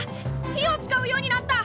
火を使うようになった！